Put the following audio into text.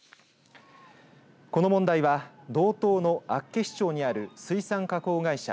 この問題は道東の厚岸町にある水産加工会社